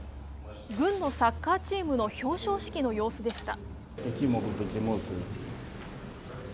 軍のサッカーチームの表彰式の様子でした。